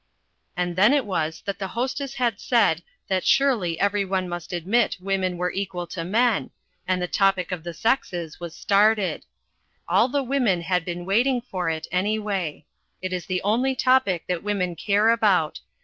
And then it was that the Hostess had said that surely every one must admit women are equal to men and the topic of the sexes was started. All the women had been waiting for it, anyway. It is the only topic that women care about.